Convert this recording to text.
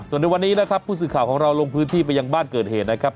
ส่วนในวันนี้นะครับผู้สื่อข่าวของเราลงพื้นที่ไปยังบ้านเกิดเหตุนะครับ